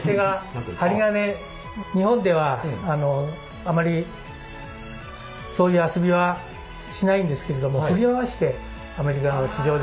日本ではあまりそういう遊びはしないんですけれども振り回してアメリカの市場では。